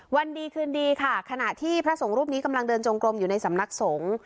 วันดีคืนดีค่ะขณะที่พระสงฆ์รูปนี้กำลังเดินจงกลมอยู่ในสำนักสงฆ์